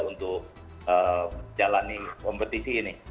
untuk menjalani kompetisi ini